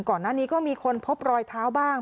ก่อนหน้านี้ก็มีคนพบรอยเท้าบ้าง